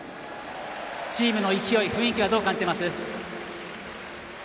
チームの勢い、雰囲気はどう感じていますか？